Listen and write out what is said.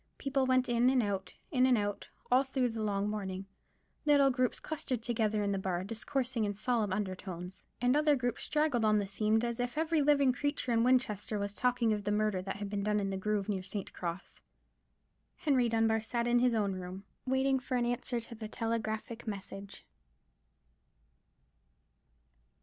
People went in and out, in and out, all through the long morning; little groups clustered together in the bar, discoursing in solemn under tones; and other groups straggled on the threshold, and loitered on the sunny pavement outside; until it seemed as if every living creature in Winchester was talking of the murder that had been done in the grove near St. Cross. Henry Dunbar sat in his own room, waiting for an answer to the telegraphic message.